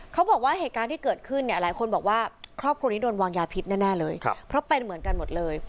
เขาบอกว่าเหตุการณ์ที่เกิดขึ้นเนี่ยหลายคนบอกว่าครอบครัวนี้โดนวางยาพิษแน่เลยเพราะเป็นเหมือนกันหมดเลย